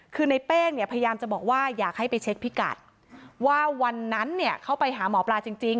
คือในเป้งเนี่ยพยายามจะบอกว่าอยากให้ไปเช็คพิกัดว่าวันนั้นเนี่ยเข้าไปหาหมอปลาจริง